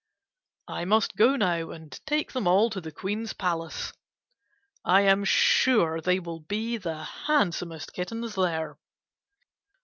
I must go now and take them all to the Queen's palace. I am sure they will be the handsomest kittens there.